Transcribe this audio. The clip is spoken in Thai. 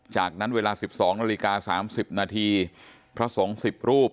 จากนั้นเวลา๑๒นาฬิกา๓๐นาทีพระสงฆ์๑๐รูป